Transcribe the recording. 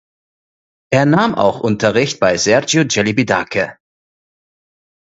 Er nahm auch Unterricht bei Sergiu Celibidache.